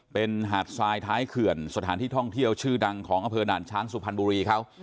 เป็นหาดทรายท้ายเขื่อนสถานที่ท่องเที่ยวชื่อดังของอำเภอด่านช้างสุพรรณบุรีเขา